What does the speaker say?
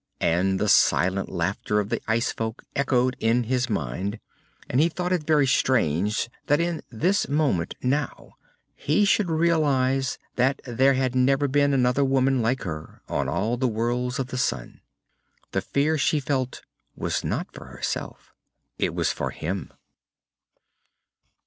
And the silent laughter of the ice folk echoed in his mind, and he thought it very strange that in this moment, now, he should realize that there had never been another woman like her on all of the worlds of the Sun. The fear she felt was not for herself. It was for him.